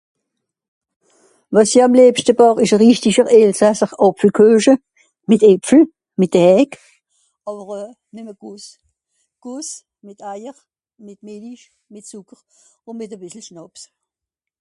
"Ce que je préfère confectionner c'est une vraie tarte aux pommes alsacienne avec des pommes, de la pâte et surtout avec le ""coulis"" avec un oeuf le lait le sucre et du schnaps"